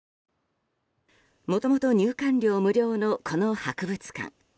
もともと入館料無料のこの博物館。